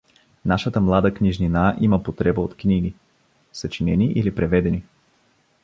Нашата млада книжнина има потреба от книги — съчинени или преведени.